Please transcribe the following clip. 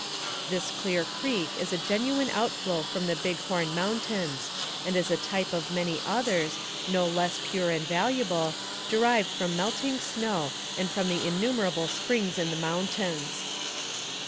This clear creek is a genuine outflow from the Big Horn Mountains, and is a type of many others, no less pure and valuable, derived from melting snow and from innumerable springs in the mountains.